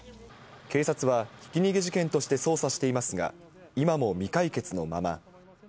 警察は、ひき逃げ事件として捜査していますが、今も未解決のまま。